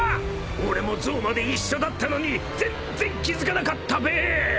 ［俺もゾウまで一緒だったのに全然気付かなかったべ］